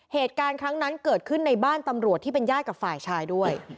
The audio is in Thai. เหตุการณ์ครั้งนั้นเกิดขึ้นในบ้านตำรวจที่เป็นญาติกับฝ่ายชายด้วย